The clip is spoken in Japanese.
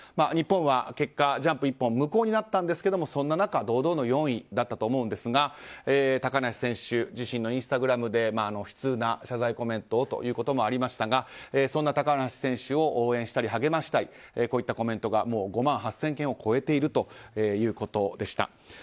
日本は、結果ジャンプ１本無駄になったんですがそんな中、堂々の４位だったと思うんですけど高梨選手自身のインスタグラムで悲痛な謝罪コメントということもありましたが、そんな高梨選手を応援したり励ましたりといったコメントが５万８０００件を超えているということでした。